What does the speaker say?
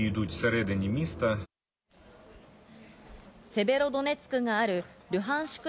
セベロドネツクがあるルハンシク